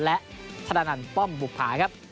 และธนันป้อมบุภาครับ